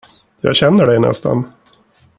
Jag känner dig nästan.